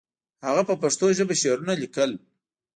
هغه په پښتو ژبه شعرونه لیکل.